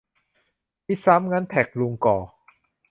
มีซ้ำ งั้นแท็กลุงก่อ